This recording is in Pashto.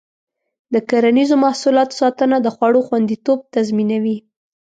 د کرنیزو محصولاتو ساتنه د خوړو خوندیتوب تضمینوي.